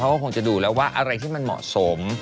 คงจะดูแล้วว่าอะไรที่มันเหมาะสม